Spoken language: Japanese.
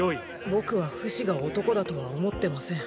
僕はフシが男だとは思ってません。